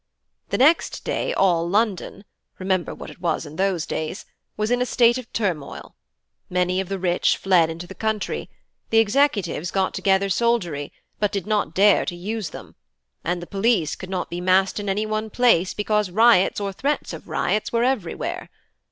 The next day all London (remember what it was in those days) was in a state of turmoil. Many of the rich fled into the country; the executive got together soldiery, but did not dare to use them; and the police could not be massed in any one place, because riots or threats of riots were everywhere.